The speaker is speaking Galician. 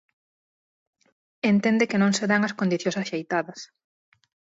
Entende que non se dan as condicións axeitadas.